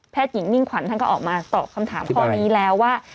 หญิงมิ่งขวัญท่านก็ออกมาตอบคำถามข้อนี้แล้วว่า